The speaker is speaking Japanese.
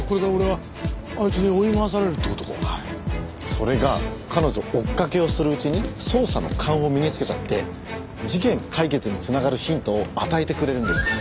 それが彼女追っかけをするうちに捜査の勘を身につけちゃって事件解決に繋がるヒントを与えてくれるんです。